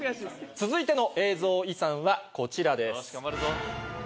続いての映像遺産はこちらです。